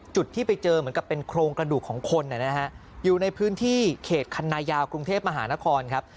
ที่ไปเจอเหมือนกับเป็นโครงกระดูกของคนนะฮะอยู่ในพื้นที่เขตคันนายาวกรุงเทพมหานครครับ